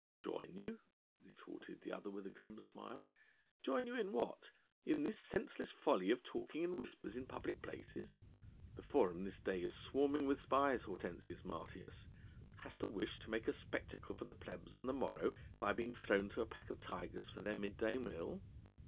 "Join you," retorted the other with a grim smile, "join you in what? in this senseless folly of talking in whispers in public places? The Forum this day is swarming with spies, Hortensius Martius. Hast a wish to make a spectacle for the plebs on the morrow by being thrown to a pack of tigers for their midday meal?"